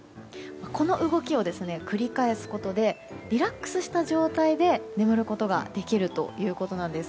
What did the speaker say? この動きを繰り返すことでリラックスした状態で眠ることができるということなんです。